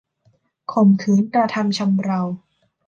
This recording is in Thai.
ข่มขืนกระทำชำเรา